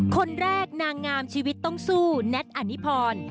คนแรกนางงามชีวิตต้องสู้แน็ตอนิพร